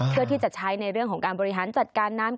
เพื่อที่จะใช้ในเรื่องของการบริหารจัดการน้ำ